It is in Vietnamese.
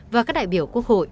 và các đại biểu quốc hội